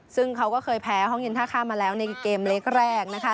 ซึ่งเขาก็เคยแพ้ห้องเย็นท่าข้ามมาแล้วในเกมเล็กแรกนะคะ